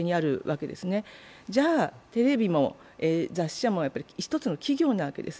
じゃあ、テレビも雑誌社も一つの企業なわけです